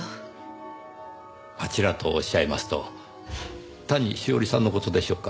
あちらと仰いますと谷志桜里さんの事でしょうか？